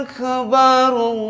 allahu akbar allah